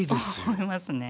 思いますね。